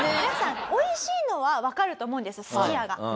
皆さん美味しいのはわかると思うんですすき家が。